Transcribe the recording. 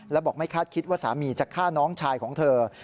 แล้วบอกไม่คาดคิดว่าสามีจะฆ่าน้องชายของเธอ